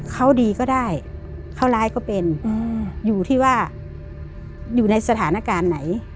เขาดีก็ได้เขาร้ายก็เป็นอยู่ที่ว่าอยู่ในสถานการณ์ไหน